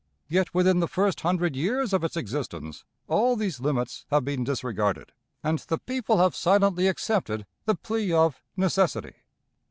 Yet within the first hundred years of its existence all these limits have been disregarded, and the people have silently accepted the plea of necessity.